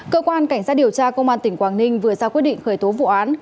cơ quan cảnh sát điều tra công an tỉnh quảng ninh vừa ra quyết định khởi tố vụ án